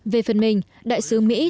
về phần mình đại sứ mỹ